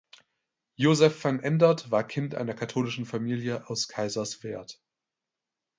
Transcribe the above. Josef van Endert war Kind einer katholischen Familie aus Kaiserswerth.